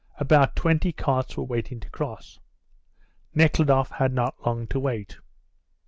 About twenty carts were waiting to cross. Nekhludoff had not long to wait.